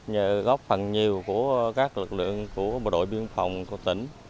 nhờ góp phần nhiều của các lực lượng của bộ đội biên phòng của tỉnh